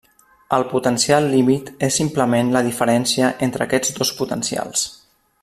El potencial límit és simplement la diferència entre aquests dos potencials.